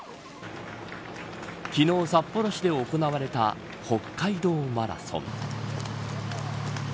昨日、札幌市で行われた北海道マラソン。